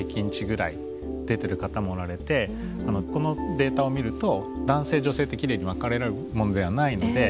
このデータを見ると男性女性ってきれいに分かれるものではないので。